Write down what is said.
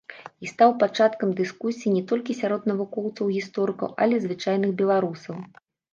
І стаў пачаткам дыскусіі не толькі сярод навукоўцаў-гісторыкаў, але і звычайных беларусаў.